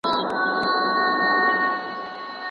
معلم صاحب په پوره مېړانه د پټي واښه رېبل.